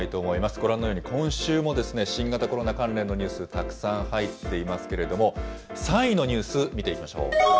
ご覧のように、今週も、新型コロナ関連のニュース、たくさん入っていますけれども、３位のニュース、見ていきましょう。